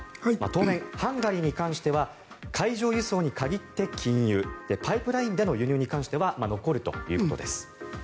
当面、ハンガリーに関しては海上輸送に限って禁輸パイプラインでの輸入に関しては残るということです。